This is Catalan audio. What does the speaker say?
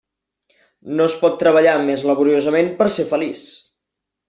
No es pot treballar més laboriosament per a ser feliç.